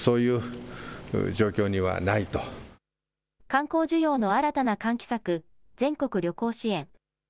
観光需要の新たな喚起策、全国旅行支援。